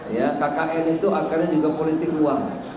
ya kkn itu akarnya juga politik uang